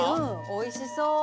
おいしそう！